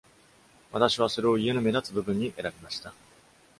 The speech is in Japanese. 私はそれを家の目立つ部分に選びました。